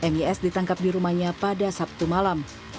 mys ditangkap di rumahnya pada sabtu malam